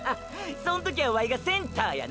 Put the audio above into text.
そん時はワイがセンターやな。